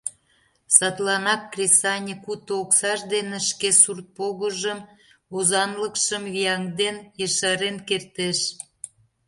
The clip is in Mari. Садланак кресаньык уто оксаж дене шке сурт погыжым, озанлыкшым вияҥден, ешарен кертеш.